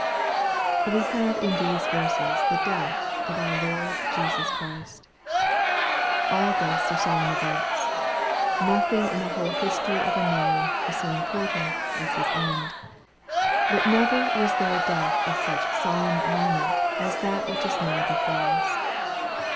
WE have in these verses the death of our Lord Jesus Christ. All deaths are solemn events. Nothing in the whole history of a man is so important as his end. But never was there a death of such solemn moment as that which is now before us.